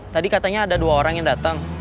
tadi katanya ada dua orang yang datang